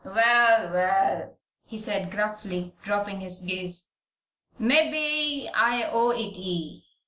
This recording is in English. "Well, well!" he said, gruffly, dropping his gaze. "Mebbe I owe it ye.